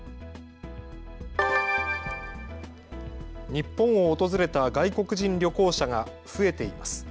日本を訪れた外国人旅行者が増えています。